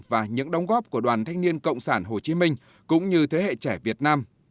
và những đồng góp của đoàn thanh niên cộng sản hồ chí minh cũng như thế hệ trẻ việt nam